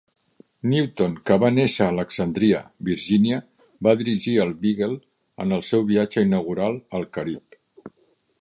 Newton, que va néixer a Alexandria, Virgínia, va dirigir el "Beagle" en el seu viatge inaugural al Carib.